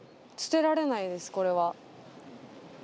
捨てられないですこれは。